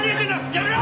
やめろ！